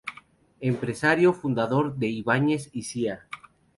Empresario, fundador de "Ibáñez y Cía.